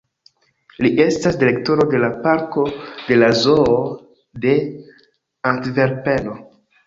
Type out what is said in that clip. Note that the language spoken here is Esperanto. Li estas direktoro de la parko de la Zoo de Antverpeno.